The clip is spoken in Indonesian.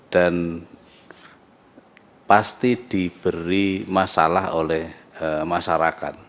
dan pasti diberi masalah oleh masyarakat